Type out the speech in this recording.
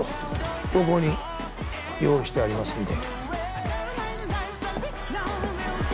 ここに用意してありますんで。